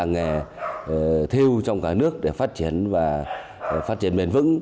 làng nghề theo trong cả nước để phát triển và phát triển mềm vững